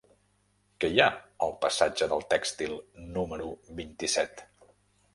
Què hi ha al passatge del Tèxtil número vint-i-set?